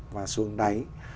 và xuống đáy